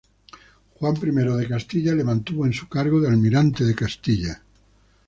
Juan I de Castilla le mantuvo en su cargo de almirante de Castilla.